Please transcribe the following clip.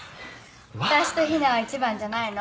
私と陽菜は一番じゃないの？